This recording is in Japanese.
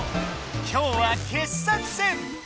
今日は傑作選！